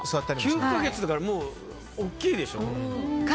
９か月だからもう大きいでしょ？